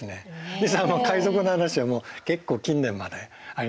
実は海賊の話は結構近年までありましてですね